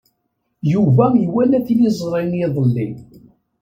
Yuba iwala tiliẓri iḍelli.